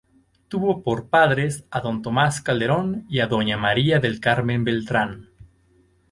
Tuvo por padres a don Tomas Calderón y a doña María del Carmen Beltrán.